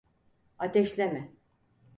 Ateşleme.